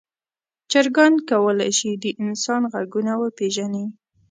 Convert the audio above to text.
چرګان کولی شي د انسان غږونه وپیژني.